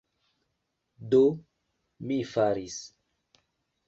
Do, mi faris.